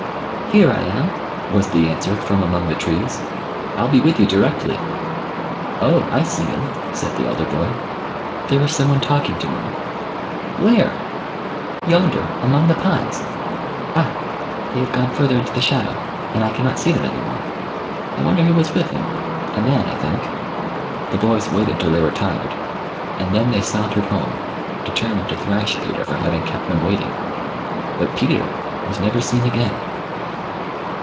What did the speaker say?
" Here I am !" was the answer from among the trees ;" I'll be with you directly." " Oh, I see him !" said the elder boy. " There is some one talking to him." " Where ?" A GALICIAN WERE WOLF. 245 " Yonder, among the pines. Ah ! they have gone further into the shadow, and I cannot see them any more. I wonder who was with him ; a man, I think." The boys waited till they were tired, and then they sauntered home, determined to thrash Peter for having kept them waiting. But Peter was never seen again.